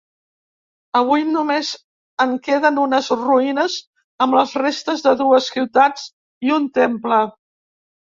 Avui només en queden unes ruïnes amb les restes de dues ciutats i un temple.